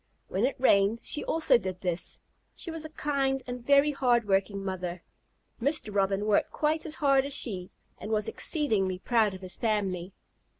When it rained she also did this. She was a kind and very hard working mother. Mr. Robin worked quite as hard as she, and was exceedingly proud of his family.